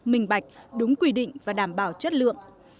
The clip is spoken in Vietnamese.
minh bạch đúng quy định và đảm bảo chất lượng